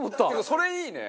それいいね！